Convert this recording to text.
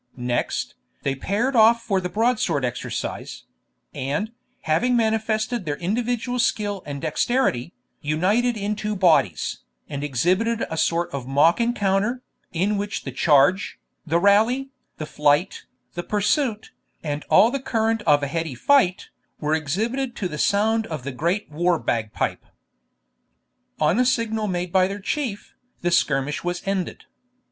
Next, they paired off for the broadsword exercise; and, having manifested their individual skill and dexterity, united in two bodies, and exhibited a sort of mock encounter, in which the charge, the rally, the flight, the pursuit, and all the current of a heady fight, were exhibited to the sound of the great war bagpipe. On a signal made by the Chief, the skirmish was ended.